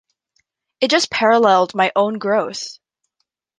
It just paralleled my own growth.